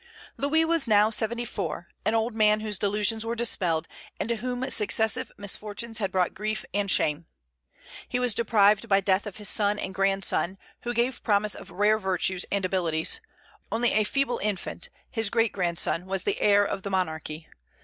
Louis was now seventy four, an old man whose delusions were dispelled, and to whom successive misfortunes had brought grief and shame. He was deprived by death of his son and grandson, who gave promise of rare virtues and abilities; only a feeble infant his great grandson was the heir of the monarchy.